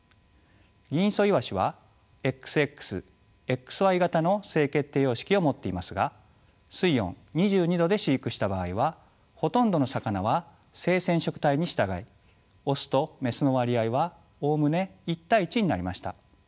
ギンイソイワシはＸＸＸＹ型の性決定様式を持っていますが水温２２度で飼育した場合はほとんどの魚は性染色体に従いオスとメスの割合はおおむね１対１になりました。